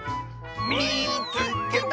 「みいつけた！」。